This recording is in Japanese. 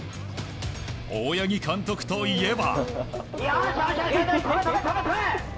大八木監督といえば。